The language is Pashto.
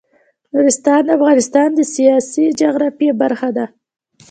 نورستان د افغانستان د سیاسي جغرافیه برخه ده.